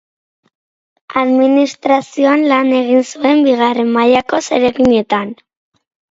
Administrazioan lan egin zuen bigarren mailako zereginetan.